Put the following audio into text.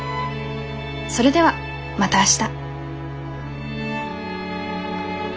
それではまた明日。